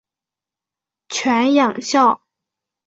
犬养孝。